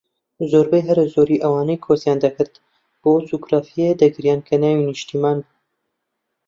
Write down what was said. زۆربەی هەرە زۆری ئەوانەی کۆچیان دەکرد بۆ ئەو جوگرافیایە دەگریان کە ناوی نیشتمان بوو